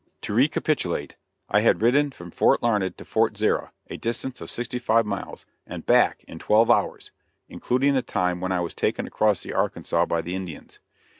To recapitulate: I had ridden from Fort Larned to Fort Zarah (a distance of sixty five miles) and back in twelve hours, including the time when I was taken across the Arkansas by the Indians.